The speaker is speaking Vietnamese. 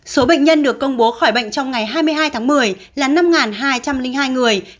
số bệnh nhân được công bố khỏi bệnh trong ngày hai mươi hai tháng một mươi là năm hai trăm linh hai người